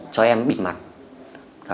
cho em bịt mặt